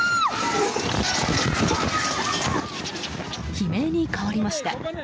悲鳴に変わりました。